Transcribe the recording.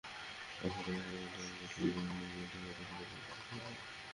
আহত ব্যক্তিদের মধ্যে আজিজুল হককে ময়মনসিংহ মেডিকেল কলেজ হাসপাতালে ভর্তি করা হয়েছে।